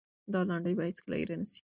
دا لنډۍ به هېڅکله هېره نه سي.